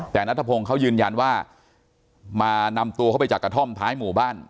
แต่นัทพงศ์เขายืนยันว่ามานำตัวเข้าไปจากกระท่อมท้ายหมู่บ้าน